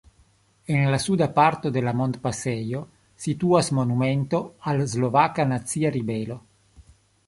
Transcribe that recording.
En la suda parto de la montpasejo situas monumento al Slovaka nacia ribelo.